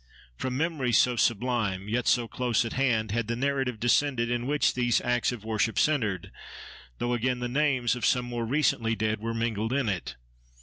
From memories so sublime, yet so close at hand, had the narrative descended in which these acts of worship centered; though again the names of some more recently dead were mingled in it.